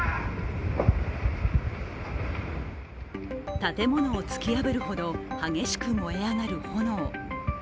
建物を突き破るほど激しく燃え上がる炎。